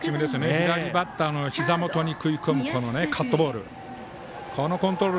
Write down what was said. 左バッターのひざ元に食い込むカットボール。